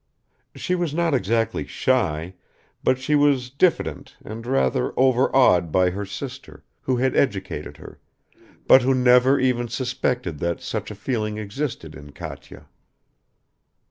She was not exactly shy, but she was diffident and rather overawed by her sister, who had educated her, but who never even suspected that such a feeling existed in Katya.